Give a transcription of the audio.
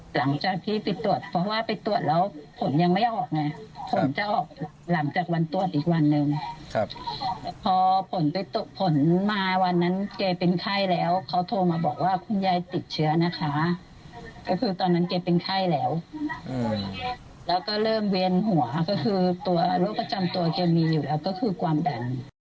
หลังจากที่ไปตรวจเพราะว่าไปตรวจแล้วผลยังไม่ออกไงผลจะออกหลังจากวันตรวจอีกวันหนึ่งพอผลไปตรวจผลมาวันนั้นแกเป็นไข้แล้วเขาโทรมาบอกว่าคุณยายติดเชื้อนะคะก็คือตอนนั้นแกเป็นไข้แล้วแล้วก็เริ่มเวียนหัวก็คือตัวโรคประจำตัวแกมีอยู่แล้วก็คือความดัน